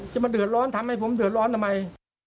จะมาเดือดร้อนทำให้ผมเดือดร้อนทำไม